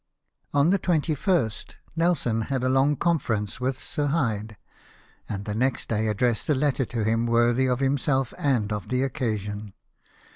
On the 21st Nelson had a long conference with Sir Hyde, and the next day addressed a letter to him worthy of himself and of the occasion.